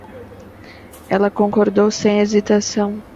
Ela concordou sem hesitação